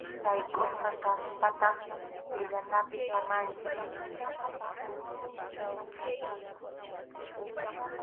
Sayk’usqa kaspaqa tiyanapi samanchik.